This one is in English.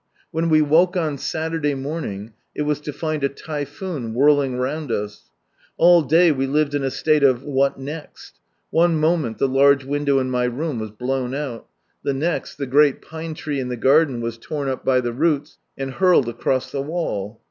When we woke on Saturday morning, it was to find a typhoon whirling round us^ All day we lived in a stale of "what next?" One moment the large window in my room was blown out. The next the great pine tree in the garden was torn up by the roots, and hurled across the wall.